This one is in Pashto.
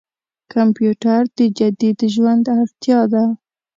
کمپيوټر د جديد ژوند اړتياده.